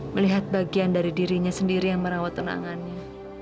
melihat bagian dari dirinya sendiri yang merawat tenangannya